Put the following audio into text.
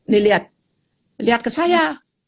nih lihat lihat ke saya